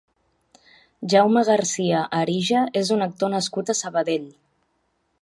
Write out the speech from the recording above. Jaume Garcia Arija és un actor nascut a Sabadell.